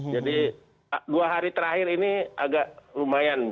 jadi dua hari terakhir ini agak lumayan